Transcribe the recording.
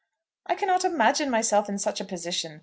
"I cannot imagine myself in such a position.